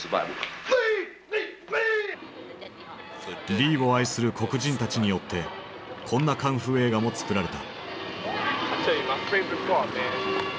リーを愛する黒人たちによってこんなカンフー映画も作られた。